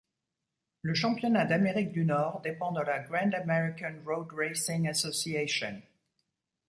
Le championnat d’Amérique du Nord dépend de la Grand American Road Racing Association.